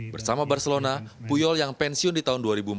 bersama barcelona puyol yang pensiun di tahun dua ribu empat belas